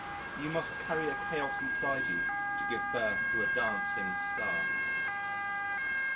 You must carry a chaos inside you to give birth to a dancing star."